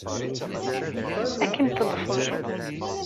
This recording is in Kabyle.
Ad kem-teḍfer.